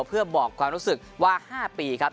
เพื่อบอกความรู้สึกว่า๕ปีครับ